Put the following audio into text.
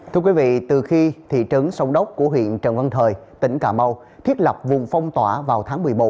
thưa quý vị từ khi thị trấn sông đốc của huyện trần văn thời tỉnh cà mau thiết lập vùng phong tỏa vào tháng một mươi một